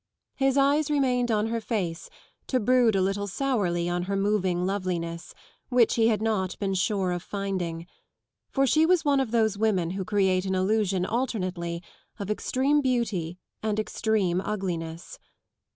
His eyes remained on her face to brood a little sourly on her moving loveliness, which he had not been sure of finding : for she was one of those women who create an illusion alternately of extreme beauty and extreme ugliness.